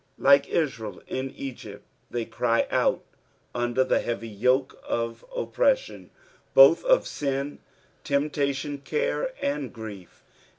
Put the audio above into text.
Like Israel /in Egypt, they cry out under the heavy yoke of oppression, both of sin, temptation, care, and grief.